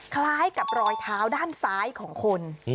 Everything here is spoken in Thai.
คล้ายกับรอยเท้าด้านซ้ายของคน